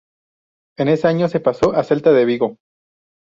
En ese año se pasó al Celta de Vigo.